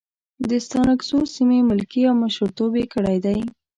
د ستانکزو سیمې ملکي او مشرتوب یې کړی دی.